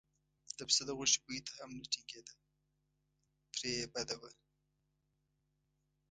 د پسه د غوښې بوی ته هم نه ټینګېده پرې یې بده وه.